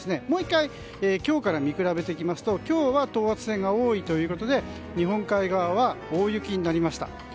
もう１回今日から見比べていきますと今日は等圧線が多いということで日本海側は大雪になりました。